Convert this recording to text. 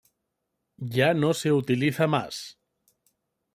Ya no se utiliza más.